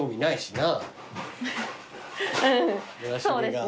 うんそうですね。